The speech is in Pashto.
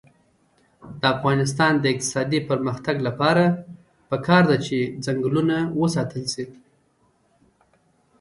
د افغانستان د اقتصادي پرمختګ لپاره پکار ده چې ځنګلونه وساتل شي.